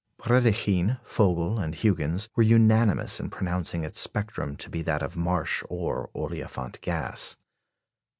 Brédikhine, Vogel, and Huggins were unanimous in pronouncing its spectrum to be that of marsh or olefiant gas.